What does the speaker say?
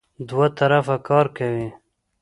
دوه طرفه کار کوي.